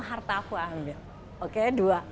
harta aku ambil oke dua